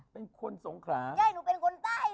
เป็นสงขราค่ะ